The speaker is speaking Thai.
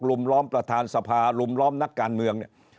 ลุมล้อมประธานสภาลุมล้อมนักการเมือง